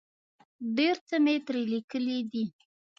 ډېر څه مې ترې لیکلي دي.